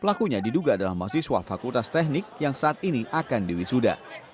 pelakunya diduga adalah mahasiswa fakultas teknik yang saat ini akan diwisuda